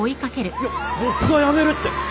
いや僕が辞めるって。